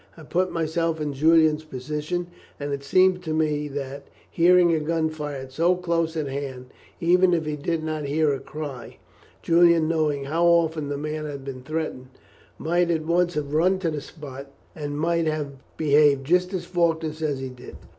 I put myself in Julian's position, and it seemed to me that, hearing a gun fired so close at hand, even if he did not hear a cry, Julian knowing how often the man had been threatened, might at once have run to the spot, and might have behaved just as Faulkner says he did.